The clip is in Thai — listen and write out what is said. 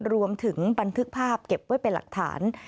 บันทึกภาพเก็บไว้เป็นหลักฐาน